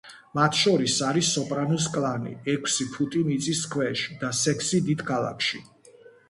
მათ შორის არის სოპრანოს კლანი, ექვსი ფუტი მიწის ქვეშ, და სექსი დიდ ქალაქში.